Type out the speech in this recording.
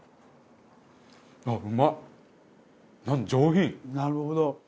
なるほど。